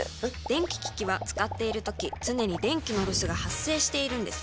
電気機器は使っているとき常に電気のロスが発生しているのです。